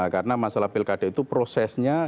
karena masalah pilkada itu prosesnya